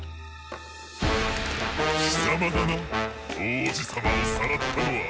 きさまだな王子様をさらったのは。